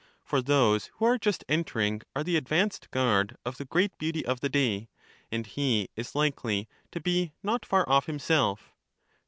For those who are just entering are the advanced guard of the great beauty of the day, and he is likely to be not far off himself.